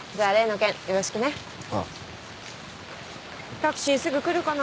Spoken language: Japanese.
タクシーすぐ来るかな？